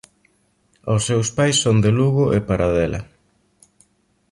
Os seus pais son de Lugo e Paradela.